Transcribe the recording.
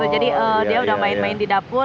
jadi dia udah main main di dapur